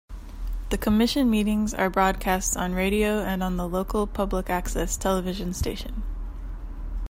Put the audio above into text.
The Commission meetings are broadcast on radio and on the local public-access television station.